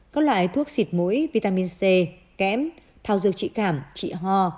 có loại thuốc xịt mũi vitamin c kém thao dược trị cảm trị ho